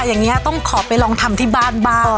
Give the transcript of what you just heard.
อย่างนี้ต้องขอไปลองทำที่บ้านบ้าง